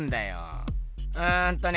うんとね。